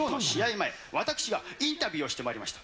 前、私がインタビューをしてまいりました。